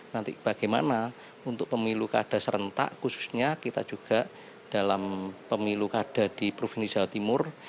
nanti bagaimana untuk pemilu kada serentak khususnya kita juga dalam pemilu kada di provinsi jawa timur